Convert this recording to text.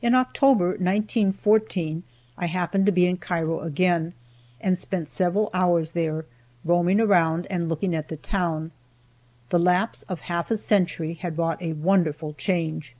In October, 1914, I happened to be in Cairo again, and spent several hours there, roaming around, and looking at the town. The lapse of half a century had wrought a wonderful change.